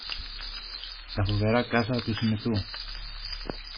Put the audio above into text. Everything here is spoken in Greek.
τα φοβερά κάστρα του Συνετού.